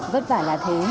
vất vả là thế